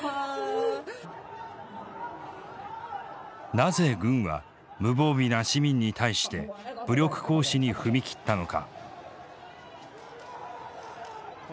なぜ軍は無防備な市民に対して武力行使に踏み切ったのか。